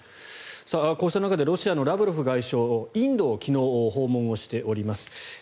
こうした中でロシアのラブロフ外相インドを昨日訪問しています。